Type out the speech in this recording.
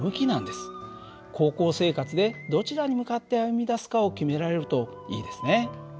高校生活でどちらに向かって歩み出すかを決められるといいですね。